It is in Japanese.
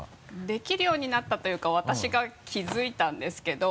できるようになったというか私が気づいたんですけど。